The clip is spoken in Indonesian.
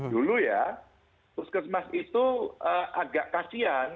dulu ya puskesmas itu agak kasian